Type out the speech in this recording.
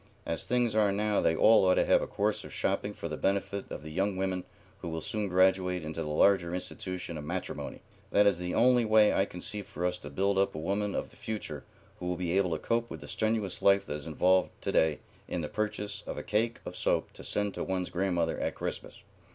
As things are now they all ought to have a course of shopping for the benefit of the young women who will soon graduate into the larger institution of matrimony. That is the only way I can see for us to build up a woman of the future who will be able to cope with the strenuous life that is involved to day in the purchase of a cake of soap to send to one's grandmother at Christmas.